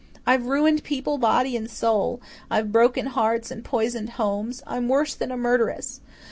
I've ruined people body and soul I've broken hearts and poisoned homes I'm worse than a murderess.